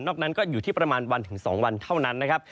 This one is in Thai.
นั้นก็อยู่ที่ประมาณวันถึง๒วันเท่านั้นนะครับ